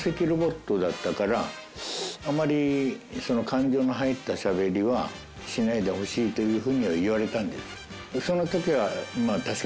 あまり感情の入ったしゃべりはしないでほしいという風には言われたんです。